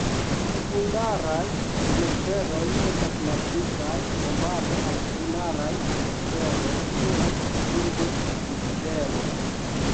Sekundaraj atmosferoj estas maldikaj kompare al primaraj atmosferoj kiel tiu de Jupitero.